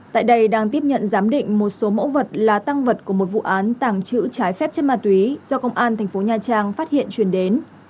tại đây đang tiếp nhận giám định một số mẫu vật là tăng vật của một vụ án tảng chữ trái phép chất ma túy do công an thành phố nha trang phát hiện truyền đến